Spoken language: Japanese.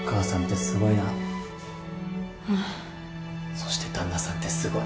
そして旦那さんってすごい。